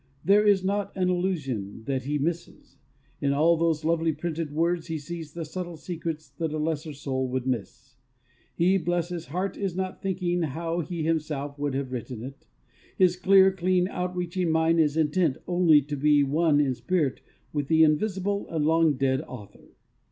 There is not an allusion that he misses; in all those lovely printed words he sees the subtle secrets that a lesser soul would miss. He (bless his heart!) is not thinking how he himself would have written it; his clear, keen, outreaching mind is intent only to be one in spirit with the invisible and long dead author.